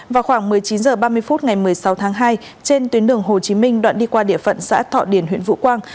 vào khoảng một mươi chín h ba mươi phút ngày một mươi sáu tháng hai trên tuyến đường hồ chí minh đoạn đi qua địa phận xã thọ điền huyện vũ quang